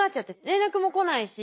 連絡も来ないし